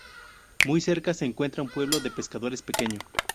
Muy cerca se encuentra un pueblo de pescadores pequeño.